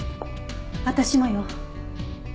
私もよ。